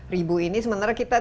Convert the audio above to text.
ribu ini sementara kita